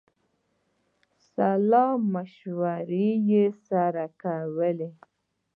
سلامشورې یې سره کولې.